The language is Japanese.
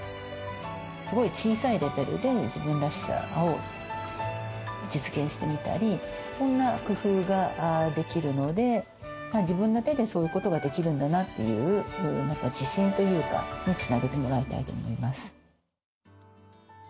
すごい小さいレベルで自分らしさを実現してみたりそんな工夫ができるので自分の手でそういうことができるんだなという自信というかにつなげてもらいたいと思います。